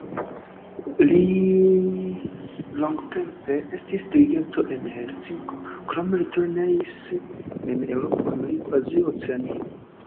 Li longtempe estis dirigento en Helsinko, krome li turneis en Eŭropo, Ameriko, Azio, Oceanio.